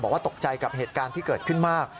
บอกว่าตกใจกับเหตุการณ์ที่เกิดขึ้นมาก